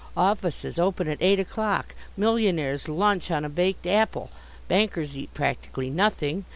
Offices open at eight o'clock. Millionaires lunch on a baked apple. Bankers eat practically nothing.